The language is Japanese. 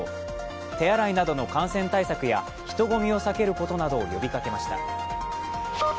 手洗いなどの感染対策や人混みを避けることなどを呼びかけました。